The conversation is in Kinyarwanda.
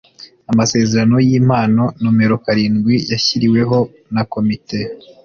Amasezerano y impano nomero karindwi yashyiriweho na komite